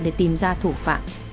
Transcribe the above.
để tìm ra thủ phạm